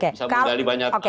bisa menggali banyak